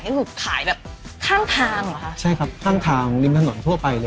ก็คือขายแบบข้างทางเหรอคะใช่ครับข้างทางริมถนนทั่วไปเลย